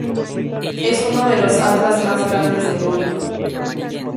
Es uno de los atlas más grandes del mundo.